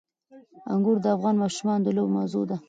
انګور د افغان ماشومانو د لوبو موضوع ده.